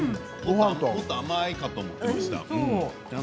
もっと甘いかと思っていました。